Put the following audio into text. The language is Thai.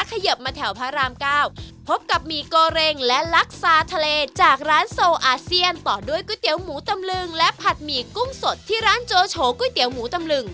เขยิบมาแถวพระรามเก้าพบกับหมี่โกเร็งและลักซาทะเลจากร้านโซอาเซียนต่อด้วยก๋วยเตี๋ยวหมูตำลึงและผัดหมี่กุ้งสดที่ร้านโจโฉก๋วยเตี๋ยวหมูตำลึง